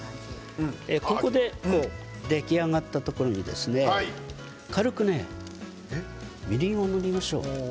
ここで出来上がったところに軽くみりんを塗りましょう。